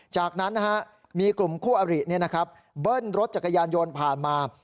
จากนั้นนะฮะมีกลุ่มคู่อรินี่นะครับเบิ้ลรถจักรยานโยนผ่านมา